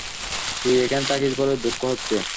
তুই এখানে থাকিস বলে দুঃখ হচ্ছে।